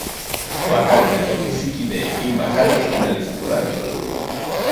Bakarka edo bizikideekin bakarrik egin ahal izango da kirola.